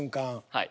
はい。